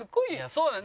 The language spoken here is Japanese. そうなの。